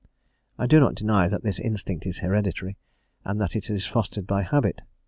I do not deny that this instinct is hereditary, and that it is fostered by habit.